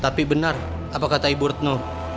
tapi benar apa kata ibu retno